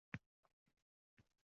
Ular